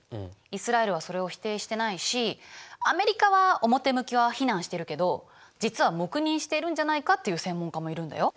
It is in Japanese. イスラエルはそれを否定してないしアメリカは表向きは非難してるけど実は黙認しているんじゃないかっていう専門家もいるんだよ。